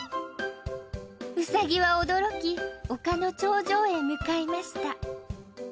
うさぎは驚き丘の頂上へ向かいました